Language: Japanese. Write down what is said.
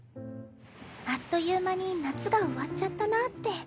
あっという間に夏が終わっちゃったなって。